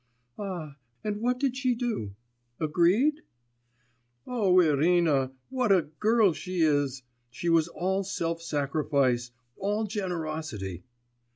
'Ah ... and what did she do? Agreed?' 'O Irina! what a girl she is! She was all self sacrifice, all generosity!